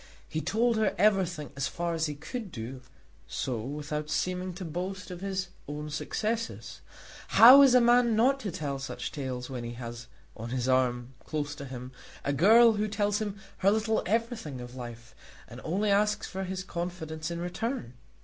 He told her everything as far as he could do so without seeming to boast of his own successes. How is a man not to tell such tales when he has on his arm, close to him, a girl who tells him her little everything of life, and only asks for his confidence in return?